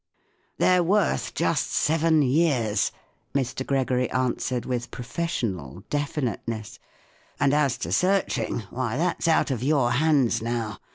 "They're worth just seven years," Mr, Gregory answered, with professional definite¬ ness. " And as to searching, why, that's out of your hands now.